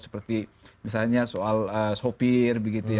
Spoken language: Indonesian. seperti misalnya soal sopir begitu ya